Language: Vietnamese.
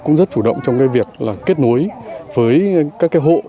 cũng rất chủ động trong cái việc là kết nối với các cái hộ